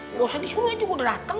gak usah disuruh aja gue dateng